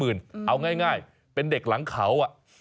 เอาง่ายเป็นเด็กหลังเขา